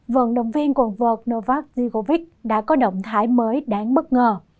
vận động viên quần vợt novak djigovic đã có động thái mới đáng bất ngờ